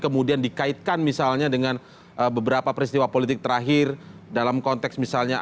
kemudian dikaitkan misalnya dengan beberapa peristiwa politik terakhir dalam konteks misalnya